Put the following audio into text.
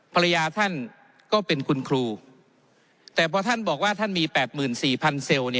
ภรรยาท่านก็เป็นคุณครูแต่พอท่านบอกว่าท่านมี๘๔๐๐เซลล์